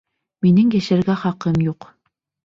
Минең йәшәргә хаҡым юҡ.